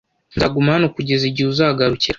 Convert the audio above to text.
Nzaguma hano kugeza igihe uzagarukira.